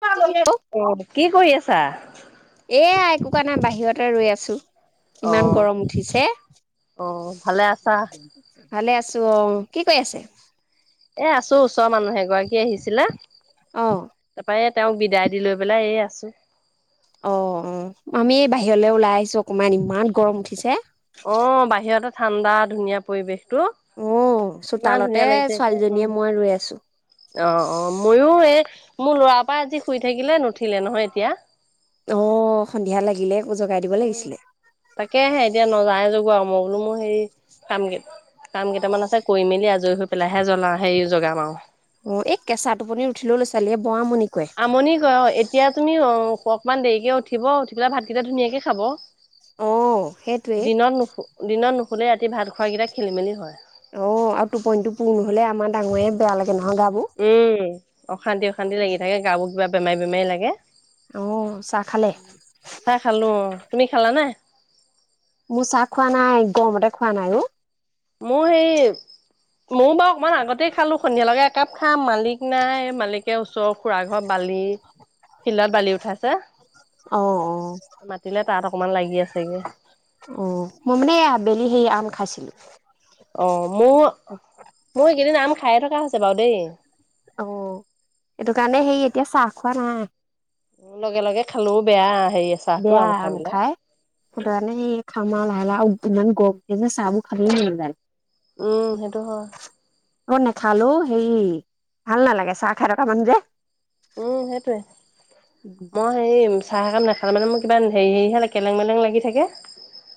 এয়া অ', কি কৰি আছা? একো কাৰ নাই বাহিৰতে ৰৈ আছো। ইমান অ', গৰম উঠিছে। অ', ভালে আছা? ভালে আছোঁ অ। কি কৈ আছে? এ আছো ওচৰৰ মানুহ এগৰাকী আহিছিলে। অহ। তাৰপৰা এই তেওঁক বিদায় দি লৈ পেলাই এ আছোঁ। অ', অ', আমি বাহিৰলৈ ওলাই আহিছো অকমান ইমান গৰম উঠিছে। অ', বাহিৰতে ঠাণ্ডা ধুনীয়া পৰিৱেশ তটো অ ইমান চোতালতে ধুনীয়া লাগিছে এতিয়া উম, ছোৱালীজনীয়ে মই ৰৈ আছো অ', অ', ময়ো এই মোৰ ল'ৰা পৰা আজি শুই থাকিলে নুঠিলে নহয় এতিয়া। অ', সন্ধিয়া লাগিলে আকৌ জগাই দিব উম, লাগিছিলে তাকে আহে এতিয়া নযায় য মই বোলো মোৰ হেৰি কাম কাম কেইটামান আছে কৰি মেলি আজৰি হৈ পেলাইহে জ্বলাওঁ হেৰি জগাম আৰু। অ', এই কেঁচা টোপনি উঠিলো লৰা ছোৱালীয়ে বৰা মুুনি আমনি কৰা অ, এতিয়া তুমি অ অকমান দেৰিকে উঠিব উঠি পেলাই ভাতকেইটা ধুনীয়াকে খাব! অ সেইটোৱেই দিনৰ নুখু দিনৰ নুখু ফুলে ৰাতি ভাত খোৱাকেইটা খেলি মেলি হয়। অ আৰু টোপন টো পুৰ নহলে আমাৰ ডাঙৰে বেয়া লাগে। নহয় গাবোৰ উম অশান্তি অশান্তি লাগি থাকে গাওোৰ কিবা বেমাৰী বেমাৰী লাগে। অ চাহ খালে চাহ খালো। অ তুমি খালা নে? মোৰ চাহ খোৱা নাই! গৰমতে খোৱা নাই অ। মোৰ সেই ময়ো বাৰু অকণমান আগতে খালো সন্ধিয়াল লগে একাপ খাম মালিক নাই মালিকে ওচৰৰ খুৰা ঘৰ বালি ফিল্ডত বালি উঠাইছে অ অ মাতিলে! ৰতিলে তাত অকমান লাগি আছেগে অ মই মানে আবেলি সেই আম খাইছিলো। অ মোৰ, মোৰ এইকেইদিন আম খাই থকা হৈছে। বাৰু দেই অ সেইটো কাৰণে সেই এতিয়া চাহ খোৱা নাই! উ লগে লগে খালোও বেয়া হেৰি চাহটো বেয়া আম পেলাই খাই ফুটনি খামা লাহে লাহ [unintelligible] গগ যে [unintelligible] চাবু খাল মিল যায় উম সেইটো হ। অ নেখালোও হেই ভাল নালাগে চাহ খাই ৰকা মানুহ যে! উম সেইটোৱে মই হেৰিম চাহ কাম নাখালে মানে মোৰ কিবা হেৰি হেৰি হালে কেলেং মেলেং লাগি থাকে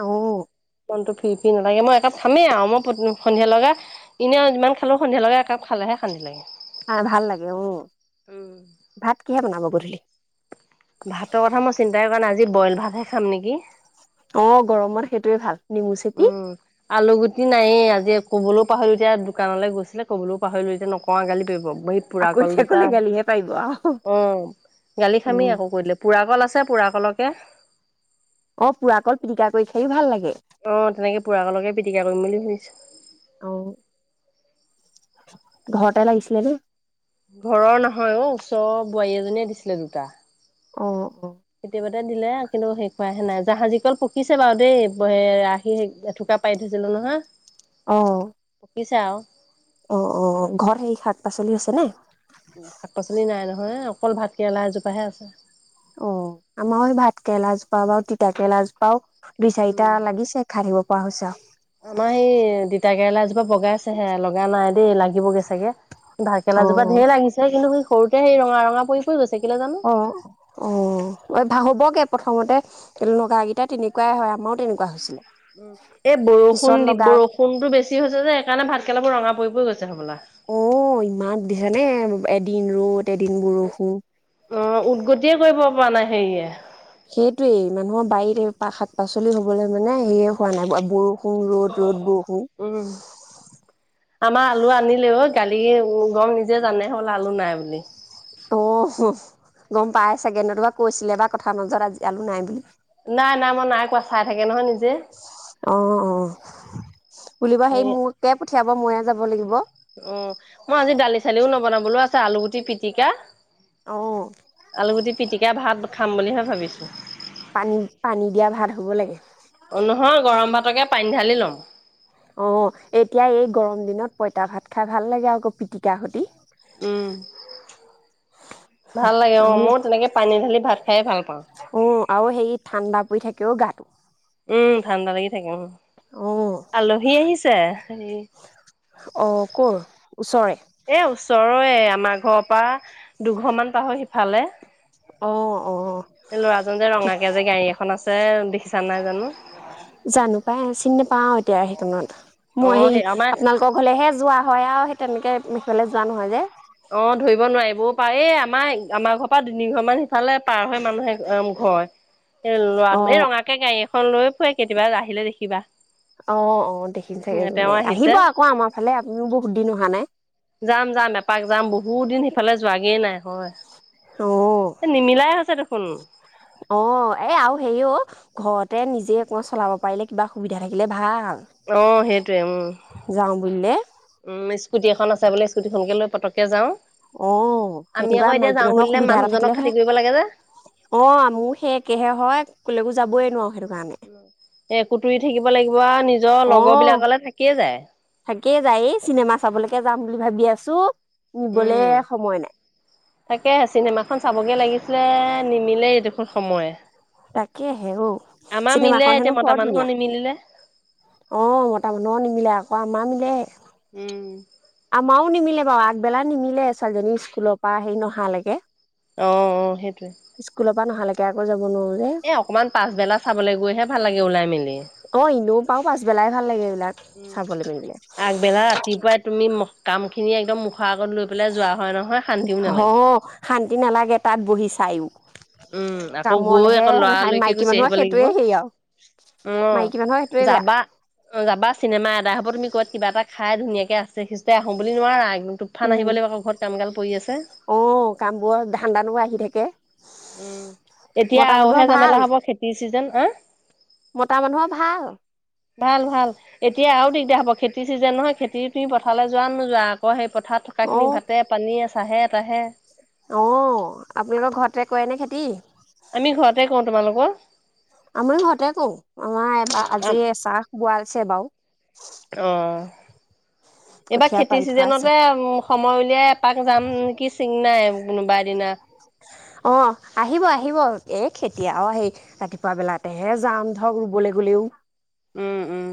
আহ মনটো ফিৰি ফি নালাগে মই একাপ থামেই আৰু মই সন্ধিয় লগা এনেই আৰু যিমান খালোঁ সন্ধিয়াল লগে একাপ খালেহে সান্ি লাগে ভাল লাগে অ ভাত কিহে বনাব গধলি ভাতৰ কথা মই চিন্তাই কৰা নাই আজি বইল ভাতহে খাম নেকি অ গৰমত সেইটোয়ে ভাল নিমচিতি আলুগুটি নায়েই আজি ক'বলৈও পাহৰিলো এতিয়া দোকানলৈ গৈছিলে ক'বলৈও পাহৰিলো এতিয়া নকওঁ আগালি পব বহিত পুৰা আকৌ কল এতিয়া দুটা কলে গালিহে পাৰিব আৰু অ গালি খামি উম আকৌ কৰিলে পুৰা কল আছে পোৰা কলকে অ পুৰা কল পিটিকা কৰি খায়ো ভাল লাগে আহ তেনেকে পুৰাগকে পিটিকা কৰিম বুলি ভুাবিছো অ ঘৰতে লাগিছিলে ঘৰৰ নহয় অ ওচৰৰ বোৱাৰী এজনীয়ে দিছিলে দুটা অ অ কেতিয়াবাটা দিলে কিন্তু শেষ ৱাহে নাই জাহাজী কল প শিছে বাৰু দেই আহি থোকা পাৰি থৈছিলো নহয় আহ কিছাওঁ অ অ ঘৰত সেই শাক পাচলি আছে নে শাক পাচলি নাই নহয় অকল ভাত কেৰেলা এজোপাাহে আছে অ আমাৰ ভাতকে লাজ পাওঁ বা তিতাকে লাজ পাও দুই চাৰিটা উম লাগিছে খাই থাকো পোৱা হৈছে আমাৰ সেই তিতা কেৰেলা জোপা বগাইছেহে লগা নাই দেই লাগিবগৈ চাগে ঢাকেলা অ জোপা ধঢেৰ লাগিছে কিন্তু স সৰুতে সেই ৰঙা ৰঙা পৰি গৈছে কেলে জানো অ অ ভাগ হবগে প্ৰথমতে স নগৰাকেইটা তেনেকুৱাই হয় আমাৰো তেনেকুৱা হৈছিলে উ এই বৰষুণ পিছত দি লগা বৰষুণতো বেছি হৈছে যে সেইকাৰণে ভাত খেলাবোৰ ৰঙা বৈ অ ইমান দিছানে এদিন ৰ'দ এদিন বৰষু অ উদগতিয়ে কৰিব পৰা নাই হেৰিয়ে সেইটোৱেই মানুহৰ বাৰীৰে শাক পাচ লি হ'বলৈ মানে হেৰিয়ে হোৱা নাই বৰষুণ ৰ'দ ৰ'দ বৰষুণ উম, আমাৰ আলু আনিলে অ', কালি গম নিজে জানে হ'বলা আলু নাই বুলি। অ' গ'ম পাই চাগে নতো বা কৈছিলে বা কথাৰ মজত আজি আলু নাই বুলি। নাই নাই মই নাই কোৱা চাই থাকে নহয় নিজে। অ অ বুলিব সেই হে মোকে পঠিয়াব ময়ে যাব লাগিব অ' মই আজি দালি চালিও নবনাবলৈও আছে আলুগুটি পিটিকা অ', আলুগুটি পিটিকা ভাত, খাম বুলিহে ভাবিছোঁ। পানী পানী দিয়া ভাত হ'ব লাগে, অ নহয় গৰম ভাতকে পানী ঢালি লম। অ' এতিয়া এই গৰম দিনত পঁইতা ভাত খাই ভাল লাগে আকৌ পিটিকা সতি। উম ভাল লাগে অ' আমি মই তেনেকে পানী ঢালি ভাত খাইে ভাল পাওঁ। শুই থাকেও গাটো উম ঠাণ্ডা লাগি থাকে উ অ', আলহী আহিছে। এ' অ' ক'ৰ, ওচৰৰে? এ' ওচৰৰে, আমাৰ ঘৰৰ পৰা দুঘৰমান পা'ৰ হৈ সিফালে। অ', অ', ল'ৰাজন যে কি ৰঙাকে যে গাড়ী এখন আছে দেখিছানে নাই জানো? জানো পাই, চিনি নাপাও এতিয়া সেইকনত, মই অ হেৰি, সেই আমাৰ আপোনালোকৰ ঘৰলেহে যোৱা হয় আৰু। তেনেকৈ সিফাললৈ যোৱা নহয় যে, অ' ধৰিব নোৱাৰিবও পায় এই আমাৰ আমাৰ ঘৰৰ পৰা তিনিঘৰ মান সিফালে পাৰ হৈ মানুহে ঘৰ। এ' লৰাটো এই অ', ৰঙাকে গাড়ী এখন লৈ ফুৰে, কেতিয়াবা আহিলে দেখিবা। অ' অ' দেখিম চাগে তেওঁ গ'লে, আহিছে আহিব আকৌ আমাৰ ফালে, আপুনিও বহুত দিন অহা নাই। যাম যাম এপাক যাম বহুত দিন সিফালে যোৱাগে নাই হয়। অ' নিমিলাই হৈছে দেখোন অ' এ আৰু হেৰি অ' ঘৰতে নিজে অকমান চলাব পাৰিলে কিবা সুবিধা থাকিলে ভাল। অ' সেইটোৱে উম যাওঁ বুলিলে উম স্কুটি এখন আছে বোলে স্কুটিখনকে লৈ পতকে যাওঁ। অ আমি সেনেকুৱা আকৌ এতিয়া মাইকী যাওঁ মানুহৰ বুলিলে সুবিধা এটা মানুহজনক থাকিলে খাতি কৰিব লাগে যে ভাল অ মোৰ সে একেহে হয়, কলেকো যাবই নোৱাৰো সেইটো কাৰণে। এ কুতুৰি থাকিব লাগিব আৰু নিজৰ অ লগৰ বিলাকলে থাকিয়ে যায় থাকেই যায় চিনেমা চাবলৈকে যাম বুলি ভাবি আছো চু উম তাকে চিনেমাখন চাবগে লাগিছিলে নিমিলেই এইটো সময় তাকেহে ঔ আমাৰ মিলে চিনেমাখন এতিয়া হেনো মতা বৰ মানুহৰ ধুনীয়া নিমিলিলে। অ মতা মানুৰ নিমিলে আকৌ আমাৰ মিলে। আমাৰও নিমিলে বাৰু আগবেলা নিমিলে ছোৱালজনী স্কুলৰ পৰা হেৰি নহালৈকে। অ অ সেইটোৱে। কেয়কৈ যাব নোৱাৰো যে এ অকনমান পাছবেলা চাবলৈ গৈহে ভাল লাগে ওলাই মেলি। অ ইনেও পাও পাছবেলাই ভাল লাগে। এইবিলাক উম চাবলৈ মেলিলে আগবেলা ৰাতিপুৱাই তুমি কাম খিনি একদম খোৱাৰ আগত লৈ পেলাই যোৱা হয় নহয় শান্তিও অ নালাগে। শান্তি নালাগে তাত বহি চায়ো। উম আকৌ গৈ আকৌ লৰা লৰিকে মাইকী গুচি মানুহৰ আহিব লাগিব সেইটোৱে হেৰি আৰু অ মাইকী মানুহৰ সেইটোৱে বেয়া যাবা অ যাবা চিনেমা এডাই হ'ব তুমি ক'বাত কিবা এটা খাই ধুনীয়াকে আছে খোজ কাঢ়ি আহো বুলি নোৱাৰা। একদম তুফান আহিব উম লাগিব আকৌ ঘৰত কাম কাল পৰি আছে। অ কাম বোৰ ধান্দাটো আহি থাকে। উম এতিয়া মতা মানুহৰ আৰুহে ভাল জামেলা হ'ব খেতিৰ চিজন অ মতা মানুহৰ ভাল ভাল ভাল এতিয়া আৰু দিগদাৰ হ'ব খেতি খেতি চিজে নহয় খেতি পিনি পথাললৈ যোৱা নোযোৱা আকৌ সেই পথাৰ থকা অ খিনি ভাতে পানীয়ে আছে। চাহে তাহে। অ আপোনালোকৰ ঘৰতে কৰে নে খেতি? আমি ঘৰতে কওঁ তোমালোকৰ আমি ঘৰতে কৰো আমাৰ এইবাৰ আজি চাহ বোৱাইছে বাৰু। আহঁ। এইবাৰ কঠীয়া খেতি পাৰি থোৱা আছে চিজনতে সময় উলিয়াই এপাক যাম নেকি চিঙ নাই কোনোবা এদিনা। এ খেতিয়াও আহেই ৰাতিপুৱা বেলাতেহে যাম ধৰক ৰুবলৈ গলেও। উম উম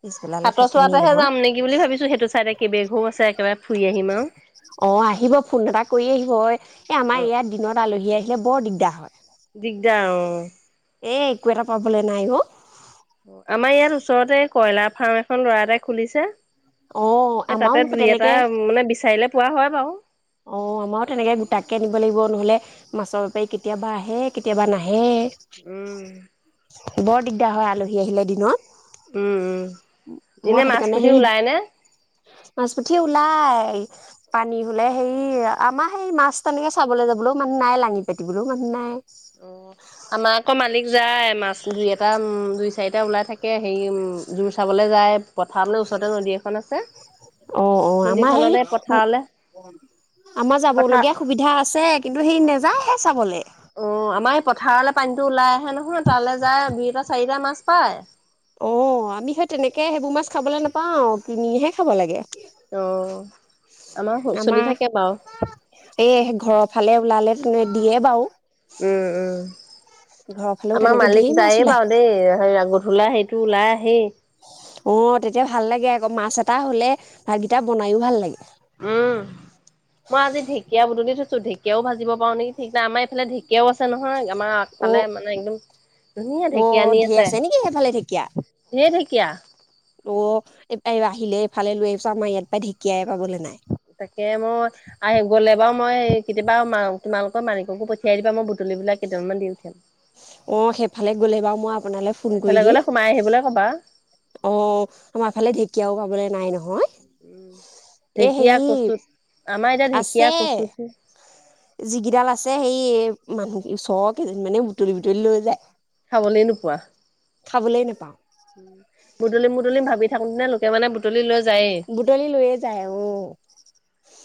পিছবেলালে হাতৰ থাকিমেই চোৱাতেহে নহয় যাম নেকি? বুলি ভাবিছো সেইটো চাইডে কেইবেঘো আছে একেবাৰে ফুৰি আহিম আৰু অ আহিব ফোন এটা কৰি আহিব এ অ আমাৰ ইয়াত দিনত আলহী। দেখিলে বৰ দিগদাৰ হয়। দিগদাৰ অ। এ একো এটা পাবলৈ নাই অ'। আমাৰ ইয়াত ওচৰতে কয়লাৰ ফাৰ্ম এখন ল'ৰা এটাই খুলিছে। অ এ আমাৰো তাতে দুই এটা তেনেকে মানে বিচাৰিলে। পোৱা হয় বাৰু অ আমাৰো তেনেকে গোটাকে আনিব লাগিব নহলে মাছৰ বেপাৰী কেতিয়াবা আহে কেতিয়াবা নাহে উম। হেই। বৰ দিগদাৰ হয় আলহী আহিলে দিনত। উম উম এনে মই সেইটো মাছ কাৰণে পুঠি সেই ওলাই নে? মাছপুঠিয়ে ওলাই। পানী হলে হেৰি আমাৰ সেই মাছ তেনেকে চাবলৈ যাবলৈও মানুহ নাই লাঙি পাতিবলৈও মানুহ নাই। অ আমাৰ আকৌ মালিক যায় মাছ। দুই এটা দুই চাৰিটা ওলাই থাকে হেৰি জোৰ চাবলৈ যায়। পথাৰলৈ ওচৰতে নদী এখন আছে অ অ আমাৰ সেই নদীখনতে পথাৰলে আমাৰ যাব পথাৰ লগীয়া সুবিধা আছে কিন্তু সী নাযায়। ছাগলী অ আমাৰ এই পথাৰলে পানীটো ওলাই মানুবোৰ তালৈ যায় দুইটা চাৰিটা মাছ পায় অ আমি সেই তেনেকে সেইবোৰ মাছ খাবলৈ নাপাওঁ, আৰু কিনিহে খাব লাগে। অ আমাৰ চলি আমাৰ থাকে বাৰু এই ঘৰৰ ফালে নিদিয়ে বাও উম উম ফালেও আমাৰ তেনেকে ঢেৰ মালিক মাছ যায়ে ওলায় বাৰু দেই হেই গধূলা সেই টো ওলাই আহেই। অ তেতিয়া ভাল লাগে আকৌ মাছ এটা হলে ভাত কেইটা বনাইও ভাল লাগে। উম মই আজি ঢেকীয়া বুটলি থৈছো ঢেকীয়াও ভাজিব পাৰো নেকি ঠিক নাই আমাৰ এইফালে ঢেকীয়াও আছে নহয়। আমাৰ অ আগফালে মানে একদম ধুনীয়া অ ঢেকীয়া আনি ধেৰ আছে নেকি সেইফালে ঢেঁকীয়া, ধেৰ ঢেকীয়া অ আহিলে ফালে লৈ আহিছো আমাৰ ইয়াত পৰা ঢেকাই পাবলৈ নাই। তাকে মই আহি গ'লে বাৰু মই অ সেইফালে গ'লে বাৰু মই আপোনালৈ ফোন কৰি এইফালে দিম গ'লে সোমাই আহিবলৈ ক'বা অ আমাৰ ফালে ঢেকীয়াও পাবলৈ নাই নহয়। উম এ হে ঢেকীয়া কচুত আমাৰ এতিয়া ঢেকীয়া আছে কচুটো জিগিডাল আছে হেই মানুহ ছ কেজিত মানে বুটলি বুটলি লৈ যায়। খাবলেই নোপোৱা। খাবলৈ নোপাওঁ। [unintelligible] বুটলি লৈয়ে যায় অ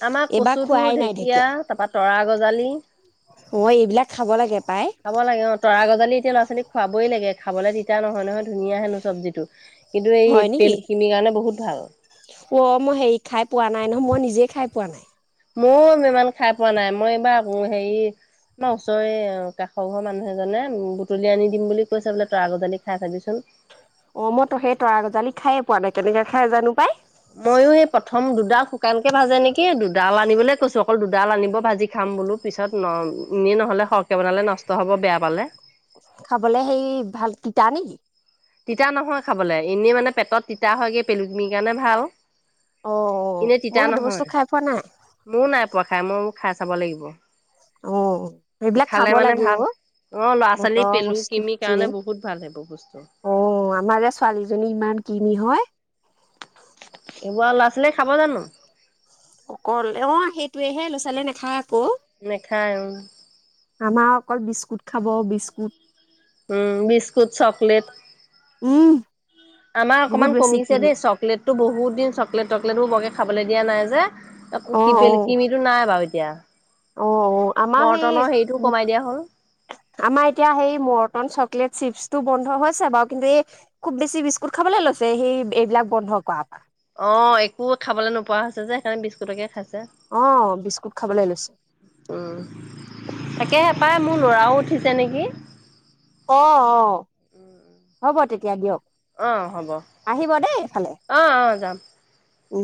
আমাৰ এইবাৰ কচুথুৰ খোৱাই নাই ঢেকীয়া এতিয়া লৰা অ এইবিলাক খাব লাগে পাই ছোৱালীক খুৱাবই লাগে খাবলৈ তিতা নহয় নহয় ধুনীয়া হেনো চব্জিটো কিন্তু হয় এই নেকি তেলখিনি কাৰণে বহুত ভাল অ মই হেৰি খাই পোৱা নাই নহয় মই নিজে খাই পোৱা নাই। ময়ো ইমান খাই পোৱা নাই, মই এইবাৰ হেৰি মইয়ো ইমান খাই পোৱা নাই, মই এইবাৰ আমাৰ ওচৰে কাষৰ ঘৰৰ মানুহ এজনে বুটলি আনি দিম বুলি কৈছে বোলে তৰা গজালি খাই চাবিচোন। অ মই ত সেই তৰা গজালি খাইে পোৱা নাই কেনেকে খাই জানো পাই। ময়ো এই প্ৰথম দুডাল শুকান কে ভাজে নেকি? দুডাল লাগে আনিবলৈ কৈছোঁ অকল দুডাল আনিব ভাজি খাম বোলো পিছত ন এনেই নহ'লে সৰহকৈ বনালে নষ্ট হ'ব বেয়া পালে। খাবলে সেই ভাল তিতা নেকি? তিতা নহয় খাবলে, এনেই মানে পেটত তিতা হয় গে পেলুকমিৰ কাৰণে ভাল। অ এনেই মই তিতা সেইটো বস্তু খাই পোৱা নাই। তামোল খাই চাব লাগিব। অ সেইবিলাক খালে খাব মানে লাগে ভাল ও, অ ল'ৰা ছোৱালী বতৰৰ পেলু বস্তু কিমিৰ কাৰণে কেইদিন বহুত ভাল সেইবোৰ বস্তু অ আমাৰ যে ছোৱালীজনী ইমান ক্ষীণ হয় কোৱা ল'ৰা ছোৱালীয়ে খাব জানো অকল অ সেইটোয়েহে ল'ৰা ছোৱালীয়ে নাখায় আকৌ নাখাই ওঁ আমাৰ অকল বিস্কুট খাব বিস্কুট উম বিস্কুট চকলেট উম আমাৰ বহুত অকনমান বেছি কমিছে কিনি দেই চকলেট টো বহুত দিন চকলেট টকলেট বোৰ বহে খাবলৈ দিয়া নাই যে আপুনি অ অ কিমি কিমিটো নাই বাৰু এতিয়া অ আমাৰ মৰ্টনৰ হেৰিটো সেই কমাই দিয়া হ'ল আমাৰ এতিয়া সেই মৰটন চব চকলেট চিপছটো বন্ধ হৈছে বাৰু কিন্তু এই খুব বেছি বিস্কুট খাবলৈ লৈছে সেই এইবিলাক বন্ধ কৰা পৰা অ একো খাবলৈ নোপোৱা হৈছে যে সেইকাৰণে বিস্কুটকে খাইছো অহ বিস্কুট খাবলৈ লৈছো তাকেহেপাই মোৰ ল'ৰাও উঠিছে নেকি অ অ হ'ব তেতিয়া দিয়ক অ হ'ব আহিব দেই এইফালে অ অ যাম উম